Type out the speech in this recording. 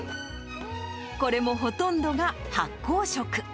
これもほとんどが発酵食。